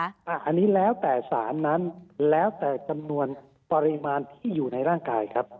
อันนี้แล้วแต่สารนั้นแล้วแต่จำนวนปริมาณที่อยู่ในร่างกายครับ